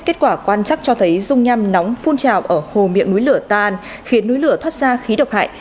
bảo quan chắc cho thấy rung nham nóng phun trào ở hồ miệng núi lửa ta an khiến núi lửa thoát ra khí độc hại